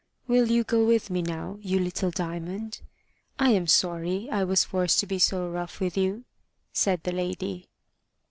"Will you go with me now, you little Diamond? I am sorry I was forced to be so rough with you," said the lady.